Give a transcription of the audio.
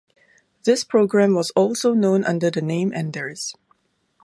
This program was also known under the name Anders.